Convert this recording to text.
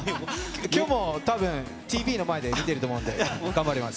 きょうもたぶん、ＴＶの前で見てると思うんで、頑張ります。